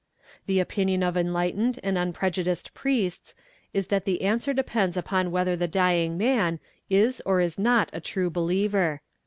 The opinion of enlightened and unprejudiced priests is that the answer depends upon whether the dying man is or is not a true believer.